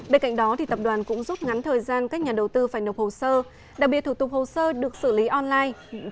bên cạnh đó tập đoàn cũng giúp ngắn thời gian các nhà đầu tư phải nộp hồ sơ đặc biệt thủ tục hồ sơ được xử lý online